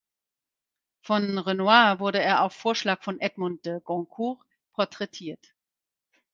Von Renoir wurde er (auf Vorschlag von Edmond de Goncourt) porträtiert.